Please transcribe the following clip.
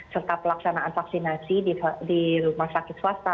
serta pelaksanaan vaksinasi di rumah sakit swasta